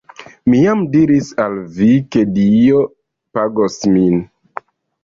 Mi jam diris al vi ke Dio pagos min